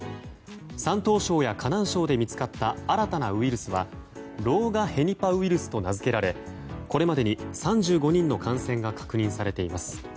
山東省や河南省で見つかった新たなウイルスは狼牙へニパウイルスと名付けられこれまでに３５人の感染が確認されています。